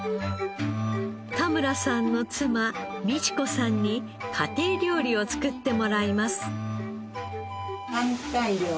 田村さんの妻通子さんに家庭料理を作ってもらいます。